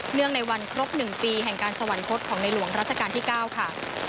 เนื่องในวันครบหนึ่งปีแห่งการสวรรคตของในหลวงราชการที่เก้าค่ะ